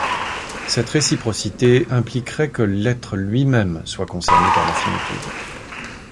Cette réciprocité impliquerait que l' Être lui-même soit concerné par la finitude.